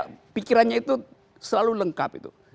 karena pikirannya itu selalu lengkap itu